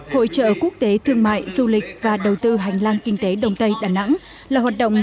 hội trợ quốc tế thương mại du lịch và đầu tư hành lang kinh tế đông tây đà nẵng là hoạt động